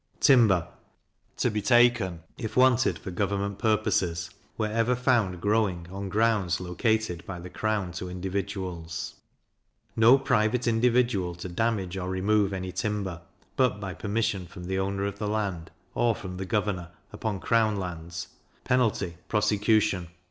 Timber to be taken, if wanted for government purposes, wherever found growing on grounds located by the crown to individuals. No private individual to damage or remove any timber, but by permission from the owner of the land, or from the governor, upon crown lands; penalty, prosecution.